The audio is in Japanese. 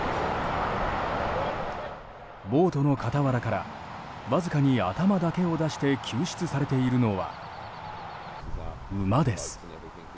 ボートの傍らからわずかに頭だけを出して救出されているのは馬です。